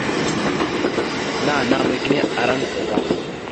Nanama kini ara ndzəɗa da.